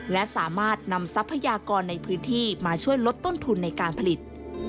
และสามารถนำทรัพยากรในพื้นที่มาช่วยลดต้นทุนในการผลิต